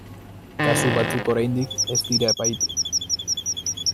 Kasu batzuk oraindik ez dira epaitu.